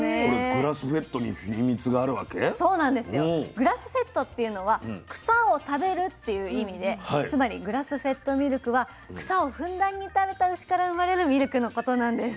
グラスフェッドっていうのは「草を食べる」っていう意味でつまりグラスフェッドミルクは草をふんだんに食べた牛から生まれるミルクのことなんです。